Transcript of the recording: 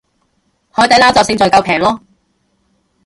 海底撈就勝在夠平囉